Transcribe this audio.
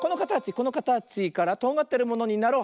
このかたちからとんがってるものになろう。